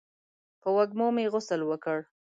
په وږمو مې غسل وکړ